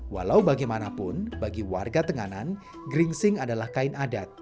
walau bagaimanapun bagi warga tenganan geringsing adalah kain adat